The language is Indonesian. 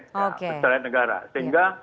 setelah negara sehingga